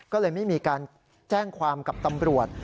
ก็เลยไม่มีการแจ้งความกับตำรวจ